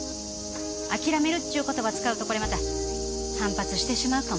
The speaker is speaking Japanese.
諦めるっちゅう言葉使うとこれまた反発してしまうかもしれへん。